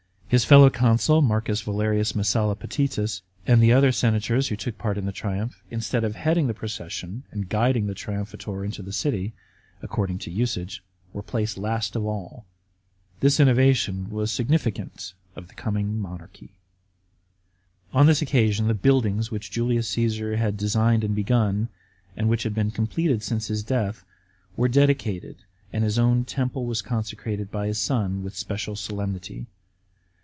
His fellow consul M. Valerius Messalla Potitus, and the other senators who took part in the triumph, instead of heading the procession and guiding the triumphator into the city, according to usage, were placed last of all. This innovation was significant of the coming monarchy. On this occasion the buildings, which Julius Cassar had designed and begun, and which had been completed since his death, were dedicated, and his own temple was consecrated by his son with special solemnity.